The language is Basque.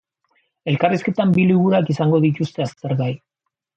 Elkarrizketan bi liburuak izango dituzte aztergai.